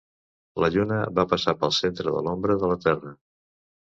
La Lluna va passar pel centre de l'ombra de la Terra.